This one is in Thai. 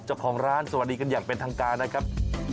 เจ้าของร้านสวัสดีกันอย่างเป็นทางการนะครับ